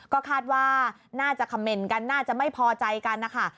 ก็คาดว่าน่าจะคำเมนต์กันน่าจะไม่พอใจกันนะคะ